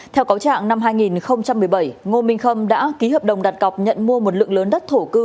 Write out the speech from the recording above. theo cáo trạng năm hai nghìn một mươi bảy ngô minh khâm đã ký hợp đồng đặt cọc nhận mua một lượng lớn đất thổ cư